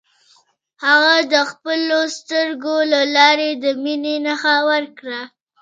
هغې د خپلو سترګو له لارې د مینې نښه ورکړه.